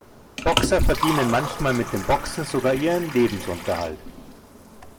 Boxer verdienen manchmal mit dem Boxen sogar ihren Lebensunterhalt.